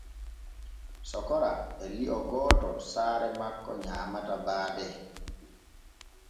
Sokora e lio gooto saare makko nyaamata baade.